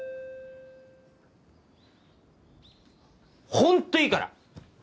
ホントいいから。